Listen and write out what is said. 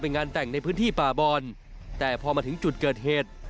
งานแต่งในพื้นที่ป่าบอนแต่พอมาถึงจุดเกิดเหตุ